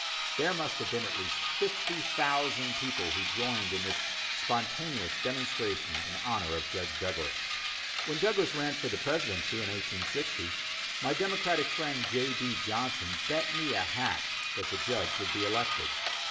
There must have been at least fifty thousand people who joined in this spontaneous demonstration in honor of Judge Douglas. When Douglas ran for the presidency in 1860, my democratic friend, J. D. Johnson, bet me a hat that the Judge would be elected.